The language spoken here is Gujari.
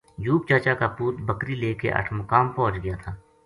یوب چا چا کا پُوت بکری لے کے اٹھمقام پوہچ گیا تھا